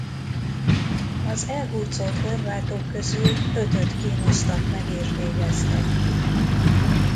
Az elhurcolt horvátok közül ötöt kínoztak meg és végeztek ki.